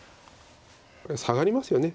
これはサガりますよね。